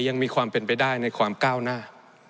ยังมีความเป็นไปได้ในความก้าวหน้า